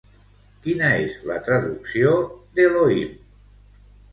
Quina és la traducció d'Elohim?